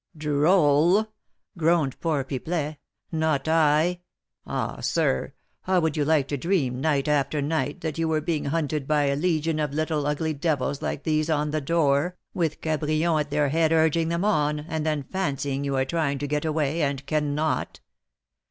"Droll!" groaned poor Pipelet; "not I! Ah, sir, how would you like to dream night after night that you were being hunted by a legion of little ugly devils like these on the door, with Cabrion at their head urging them on, and then fancying you are trying to get away, and cannot?